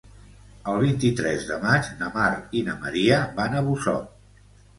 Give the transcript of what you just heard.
El vint-i-tres de maig na Mar i na Maria van a Busot.